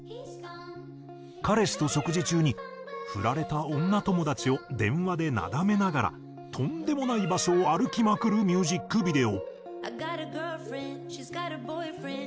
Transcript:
彼氏と食事中にフラれた女友達を電話でなだめながらとんでもない場所を歩きまくるミュージックビデオ。